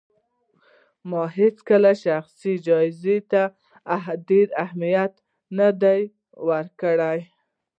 ما هيڅکله شخصي جايزو ته ډېر اهمیت نه دی ورکړی